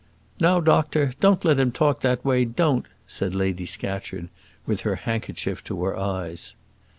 "Now, doctor, don't let him talk that way, don't," said Lady Scatcherd, with her handkerchief to her eyes.